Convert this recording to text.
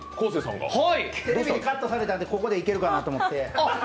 テレビでカットされたのでここでいけるかなと思って。